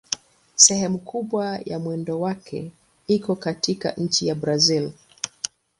Sehemu kubwa ya mwendo wake iko katika nchi ya Brazil.